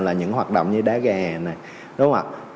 là những hoạt động như đá gà đúng không ạ